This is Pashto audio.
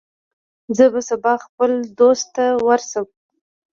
زه به سبا خپل دوست ته ورشم.